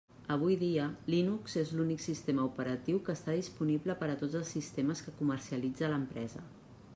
Avui dia, Linux és l'únic sistema operatiu que està disponible per a tots els sistemes que comercialitza l'empresa.